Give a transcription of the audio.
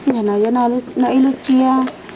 nhà nào dân nào nó ý lực chia